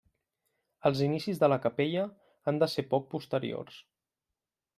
Els inicis de la capella han de ser poc posteriors.